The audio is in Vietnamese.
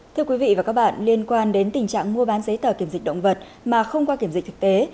thưa quý vị và các bạn liên quan đến tình trạng mua bán giấy tờ kiểm dịch động vật mà không qua kiểm dịch thực tế